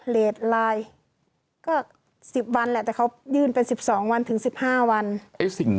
เลสไลน์ก็๑๐วันแหละแต่เขายื่นเป็น๑๒วันถึง๑๕วัน